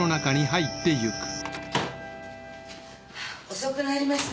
遅くなりました。